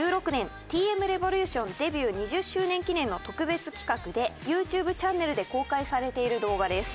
２０１６年Ｔ．Ｍ．Ｒｅｖｏｌｕｔｉｏｎデビュー２０周年記念の特別企画でＹｏｕＴｕｂｅチャンネルで公開されている動画です。